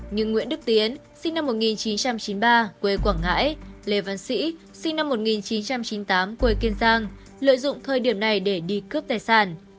nhưng nguyễn đức tiến sinh năm một nghìn chín trăm chín mươi ba quê quảng ngãi lê văn sĩ sinh năm một nghìn chín trăm chín mươi tám quê kiên giang lợi dụng thời điểm này để đi cướp tài sản